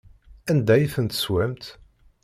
Anda ay ten-teswamt?